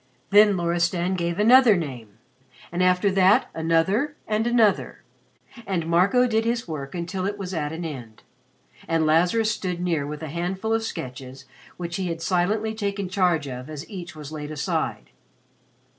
Then Loristan gave another name, and after that another and another; and Marco did his work until it was at an end, and Lazarus stood near with a handful of sketches which he had silently taken charge of as each was laid aside.